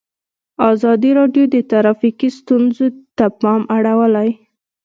ازادي راډیو د ټرافیکي ستونزې ته پام اړولی.